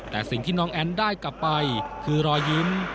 แต่สิ่งที่น้องแอ้นได้กลับไปคือรอยยิ้ม